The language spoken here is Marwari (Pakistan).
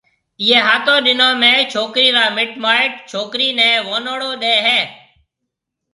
ايئيَ ھاتون ڏنون ۾ ڇوڪرِي را مِٽ مائيٽ ڇوڪرِي نيَ ونوݪو ڏَي ھيََََ